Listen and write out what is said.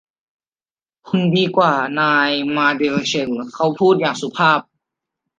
คุณดีกว่านายมาเด็ลแซลเขาพูดอย่างสุภาพ